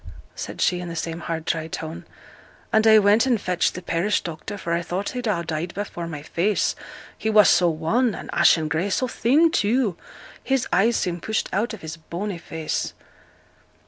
said she, in the same hard, dry tone. 'And I went and fetched th' parish doctor, for I thought he'd ha' died before my face, he was so wan, and ashen grey, so thin, too, his eyes seem pushed out of his bony face.'